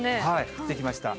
降ってきました。